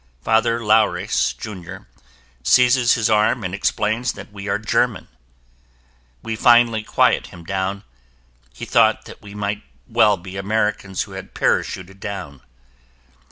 Father Laures, Jr., seizes his arm and explains that we are German. We finally quiet him down. He thought that we might well be Americans who had parachuted down.